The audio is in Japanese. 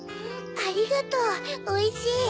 ありがとうおいしい。